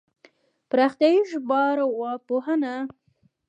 پرمختیایي ژبارواپوهنه د ژبې په زده کړه کې د کوچني پر وړتیا غږېږي